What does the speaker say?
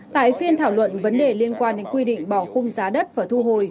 tại phiên thảo luận vấn đề liên quan đến quy định bỏ khung giá đất và thu hồi